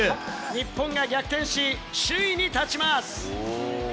日本が逆転し、首位に立ちます。